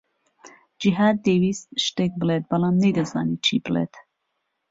جیھاد دەیویست شتێک بڵێت، بەڵام نەیدەزانی چی بڵێت.